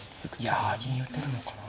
いや銀打てるのかな。